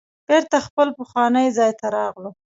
بیرته خپل پخواني ځای ته راغلو.